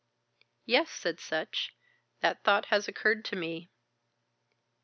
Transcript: "Yes," said Sutch. "That thought has occurred to me."